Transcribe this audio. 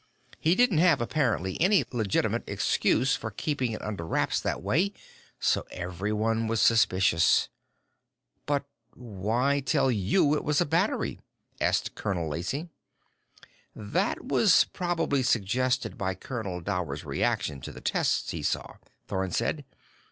He didn't have, apparently, any legitimate excuse for keeping it under wraps that way, so everyone was suspicious." "But why tell you it was a battery?" asked Captain Lacey. "That was probably suggested by Colonel Dower's reaction to the tests he saw," Thorn said.